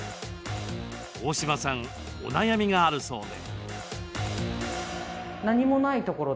大島さん、お悩みがあるそうで。